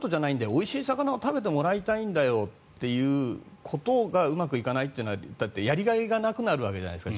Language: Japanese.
おいしい魚を食べてもらいたいんだよということがうまくいかないというのはやりがいがなくなるわけじゃないですか。